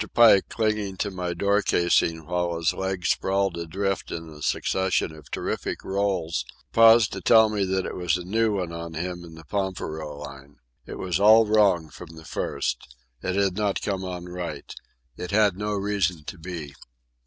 Pike, clinging to my door casing while his legs sprawled adrift in a succession of terrific rolls, paused to tell me that it was a new one on him in the pampero line. It was all wrong from the first. It had not come on right. It had no reason to be.